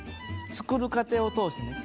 作る過程を通してね